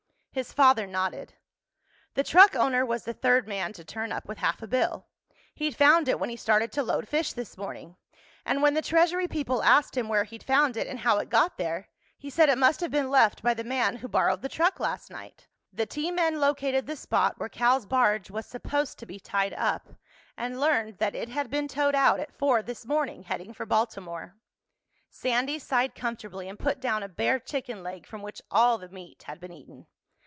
His father nodded. "The truck owner was the third man to turn up with half a bill. He'd found it when he started to load fish this morning. And when the Treasury people asked him where he'd found it and how it got there, he said it must have been left by the man who borrowed the truck last night. The T men located the spot where Cal's barge was supposed to be tied up and learned that it had been towed out at four this morning, heading for Baltimore." Sandy sighed comfortably and put down a bare chicken leg from which all the meat had been eaten.